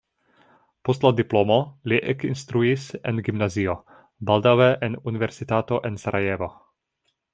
Post la diplomo li ekinstruis en gimnazio, baldaŭe en universitato en Sarajevo.